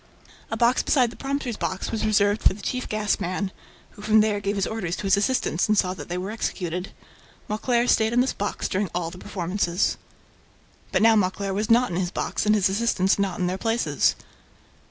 A box beside the prompter's box was reserved for the chief gas man, who from there gave his orders to his assistants and saw that they were executed. Mauclair stayed in this box during all the performances. But now Mauclair was not in his box and his assistants not in their places.